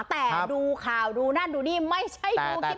แต่ดูข่าวดูนั่นดูนี่ไม่ใช่ดูคลิป